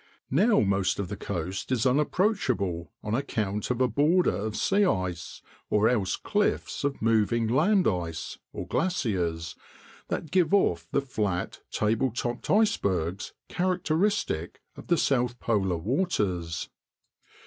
Now most of the coast is unapproachable on account of a border of sea ice, or else cliffs of moving land ice (glaciers) that give off the flat, table topped icebergs characteristic of the south polar waters.